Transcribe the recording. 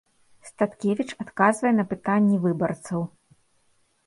Статкевіч адказвае на пытанні выбарцаў.